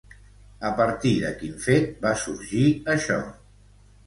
A partir de quin fet va sorgir això?